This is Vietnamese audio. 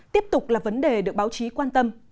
tiếp tục là vấn đề được báo chí quan tâm